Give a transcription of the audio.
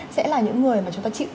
sẽ là những người mà chúng ta